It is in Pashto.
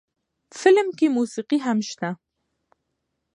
فلم کښې موسيقي هم شته